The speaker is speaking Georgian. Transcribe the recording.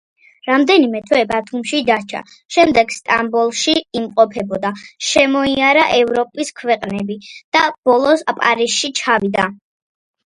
რამდენიმე თვე ბათუმში დარჩა, შემდეგ სტამბოლში იმყოფებოდა, შემოიარა ევროპის ქვეყნები და ბოლოს პარიზში ჩავიდა.